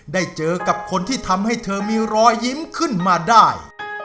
ได้เจอกับคนที่ทำให้เธอมีรอยยิ้มขึ้นมาได้